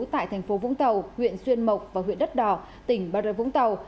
tại thành phố vũng tàu huyện xuyên mộc và huyện đất đỏ tỉnh bà rê vũng tàu